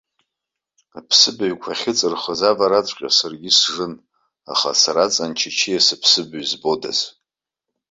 Аԥсыбаҩқәа ахьыҵырхыз авараҿыҵәҟьа саргьы сжын, аха сара аҵан чычиа сыԥсыбаҩ збодаз!